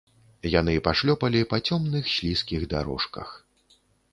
Яны пашлёпалі па цёмных слізкіх дарожках.